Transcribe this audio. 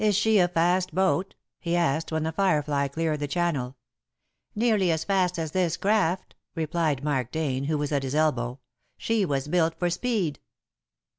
"Is she a fast boat?" he asked when The Firefly cleared the Channel. "Nearly as fast as this craft," replied Mark Dane, who was at his elbow. "She was built for speed."